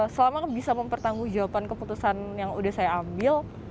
selama bisa mempertanggung jawaban keputusan yang sudah saya ambil